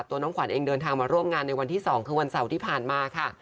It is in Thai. น้องขวัญเองเดินทางมาร่วมงานในวันที่๒คือวันเสาร์ที่ผ่านมาค่ะ